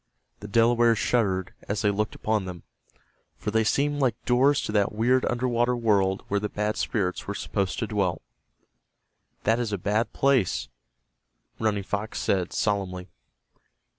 The Delawares shuddered as they looked upon them, for they seemed like doors to that weird underwater world where the Bad Water Spirits were supposed to dwell. "That is a bad place," Banning Fox said, solemnly.